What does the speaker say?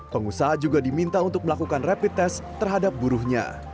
pengusaha juga diminta untuk melakukan rapid test terhadap buruhnya